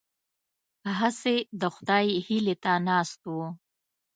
هسې د خدای هیلې ته ناست وو.